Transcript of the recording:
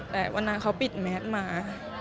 แต่วันนั้นเขาปิดแมสมา